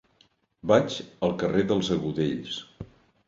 Vaig al carrer dels Agudells.